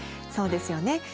そうですよね。